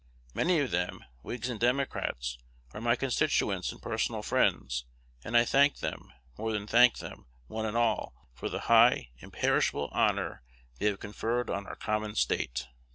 Many of them, Whigs and Democrats, are my constituents and personal friends; and I thank them, more than thank them, one and all, for the high, imperishable honor they have conferred on our common State.